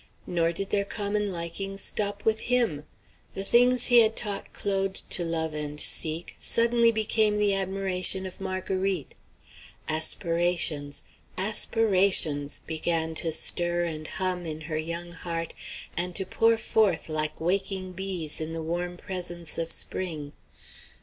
Nor did their common likings stop with him. The things he had taught Claude to love and seek suddenly became the admiration of Marguerite. Aspirations aspirations! began to stir and hum in her young heart, and to pour forth like waking bees in the warm presence of spring.